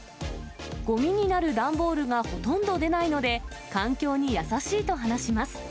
ごみになる段ボールがほとんど出ないので、環境に優しいと話します。